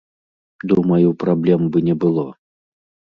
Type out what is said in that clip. Думаю, праблем бы не было.